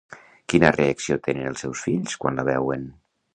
Quina reacció tenen els seus fills quan la veuen?